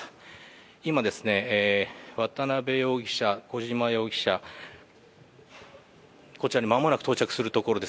今、渡辺容疑者、小島容疑者、こちらに間もなく到着するところです。